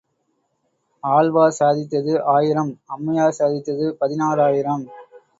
ஆழ்வார் சாதித்தது ஆயிரம் அம்மையார் சாதித்தது பதினாயிரம்.